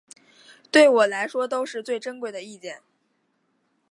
对我来说都是最珍贵的意见